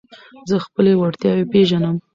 زه خپلي وړتیاوي پېژنم.